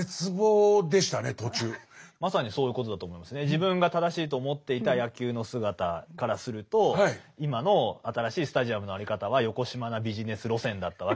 自分が正しいと思っていた野球の姿からすると今の新しいスタジアムの在り方はよこしまなビジネス路線だったわけですけども。